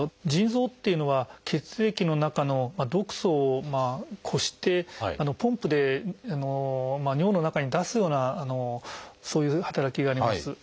腎臓っていうのは血液の中の毒素をこしてポンプで尿の中に出すようなそういう働きがあります。